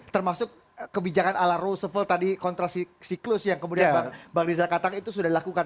termasuk kebijakan ala roosevelt tadi kontrasiklus yang kemudian pak biza katang itu sudah dilakukan